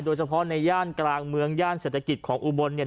โดยเฉพาะในย่านกลางเมืองย่านเศรษฐกิจของอุบลเนี่ย